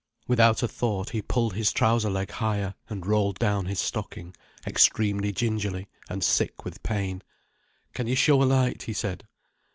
Without a thought, he pulled his trouser leg higher and rolled down his stocking, extremely gingerly, and sick with pain. "Can you show a light?" he said.